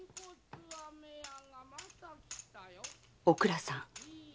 おくらさん